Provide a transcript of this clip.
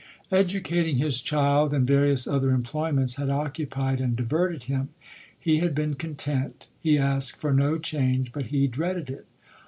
Educating his child, and various other em ployments, had occupied and diverted him. He had been content ; he asked for no change, but he dreaded it.